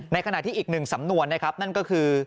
ขณะที่อีกหนึ่งสำนวนนะครับนั่นก็คือ